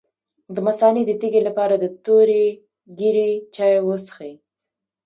د مثانې د تیږې لپاره د تورې ږیرې چای وڅښئ